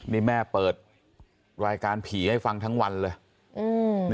นี่แม่เปิดรายการผีให้ฟังทั้งวันเลยอืม